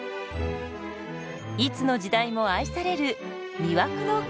いつの時代も愛される魅惑の菓子パンです。